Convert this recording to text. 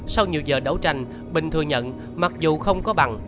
sau nhiều giờ đấu tranh bình thừa nhận mặc dù không có bằng